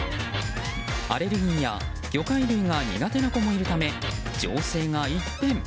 アレルギーや魚介類が苦手な子もいるため情勢が一変。